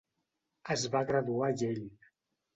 Es va graduar a Yale.